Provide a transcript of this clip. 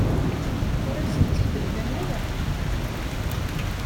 Ur asen-tt-id-mlan ara.